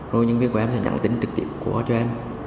rồi nhân viên của em sẽ nhận tính trực tiếp của họ cho em